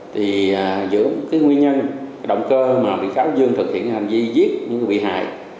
thì giữa nguyên nhân động cơ mà vị kháo dương thực hiện hành vi giết những người bị hại